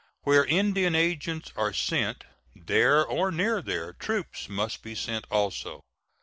Where Indian agents are sent, there, or near there, troops must be sent also.